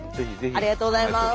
ありがとうございます！